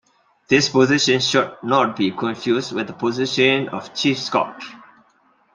This position should not be confused with the position of Chief Scout.